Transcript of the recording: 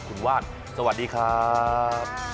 คุณวาดสวัสดีครับ